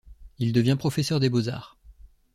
Il devient professeur des beaux-arts.